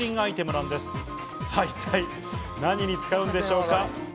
一体何に使うものでしょうか？